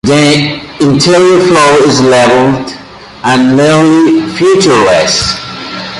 The interior floor is level and nearly featureless.